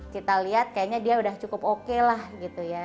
kita lihat kayaknya dia udah cukup oke lah gitu ya